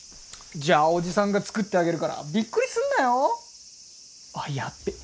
じゃあ叔父さんが作ってあげるからびっくりすんなよ！？あっやっべ！